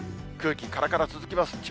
空気、からから続きます。